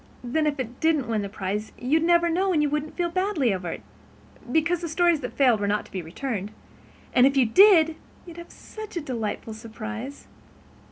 Then, if it didn't win the prize, you'd never know and you wouldn't feel badly over it, because the stories that failed were not to be returned, and if it did you'd have such a delightful surprise."